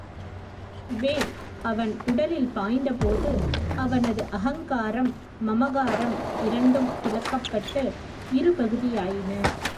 வேல் அவன் உடலில் பாய்ந்த போது அவனது அகங்காரம், மமகாரம் இரண்டும் பிளக்கப்பட்டு இரு பகுதியாயின.